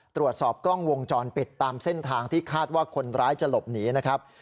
ตรวจสอบกล้องวงจรปิดตามเส้นทางที่คาดว่าคนร้ายจะหลบหนีนะครับ